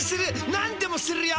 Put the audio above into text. なんでもするよ！